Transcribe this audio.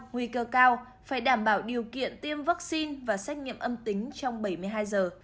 nguy cơ cao phải đảm bảo điều kiện tiêm vaccine và xét nghiệm âm tính trong bảy mươi hai giờ